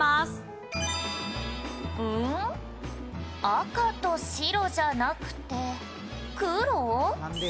赤と白じゃなくて黒？」